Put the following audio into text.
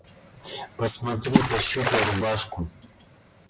Посмотри, пощупай рубашку.